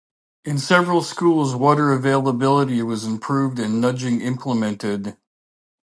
In several schools water availability was improved and nudging implemented.